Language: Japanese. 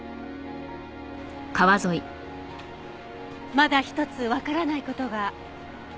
まだ一つわからない事が。